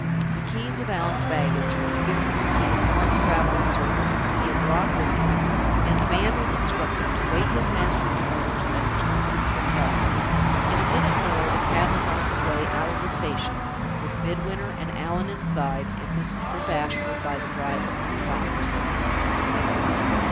The keys of Allan's baggage was given to the foreign traveling servant whom he had brought with him, and the man was instructed to wait his master's orders at the terminus hotel. In a minute more the cab was on its way out of the station with Midwinter and Allan inside, and Mr. Bashwood by the driver on the box.